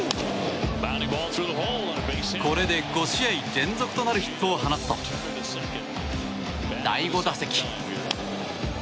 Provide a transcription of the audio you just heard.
これで５試合連続となるヒットを放つと第５打席。